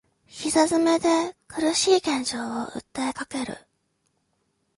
膝詰めで苦しい現状を訴えかける